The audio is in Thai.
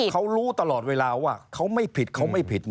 เขารู้ตลอดเวลาว่าเขาไม่ผิดเขาไม่ผิด